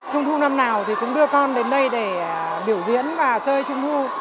trung thu năm nào thì cũng đưa con đến đây để biểu diễn và chơi trung thu